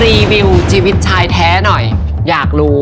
รีวิวชีวิตชายแท้หน่อยอยากรู้